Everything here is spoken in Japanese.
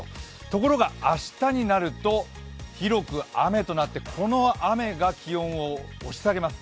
ところが明日になると広く雨となって、この雨が気温を押し下げます。